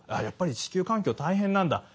やっぱり地球環境大変なんだ